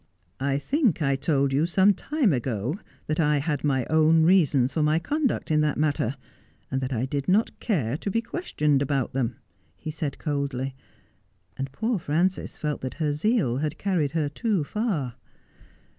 ' I think I told you some time ago that I had my own reasons for my conduct in that matter, and that I did not care to be questioned about them,' he said coldly, and poor Frances felt that her zeal had carried her too far.